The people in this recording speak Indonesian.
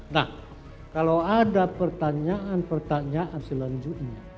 nah kalau ada pertanyaan pertanyaan selanjutnya